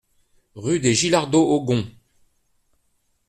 Rue des Gillardeaux aux Gonds